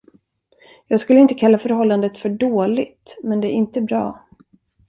Jag skulle inte kalla förhållandet för dåligt, men det är inte bra.